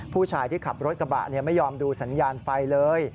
ผู้ชายที่ขับรถกระบะไม่ยอมดูสัญญาณไฟเลย